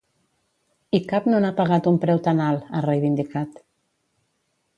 I cap no n’ha pagat un preu tan alt, ha reivindicat.